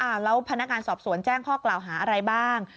แล้วพนักงานสอบสวนแจ้งข้อกล่าวหาอะไรบ้าง